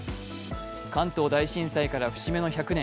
関東大震災から節目の１００年